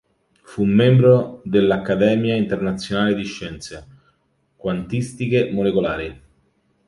Fu membro della Accademia Internazionale di Scienze Quantistiche Molecolari.